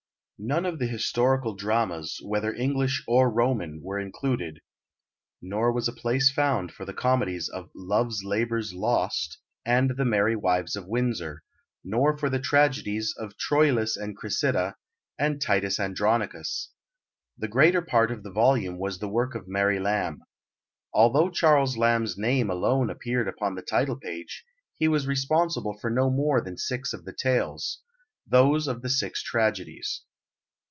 None of the historical dramas, whether English or Roman, were included, nor was a place found for the comedies of Love's Labour's Lost, and the Merry Wives of Windsor, nor for the tragedies of Troilus and Cressida, and Titus Andronicus. The greater part of the volume was the work of Mary Lamb. Although Charles Lamb's name alone appeared upon the title page, he was responsible for no more than six of the tales those of the six tragedies.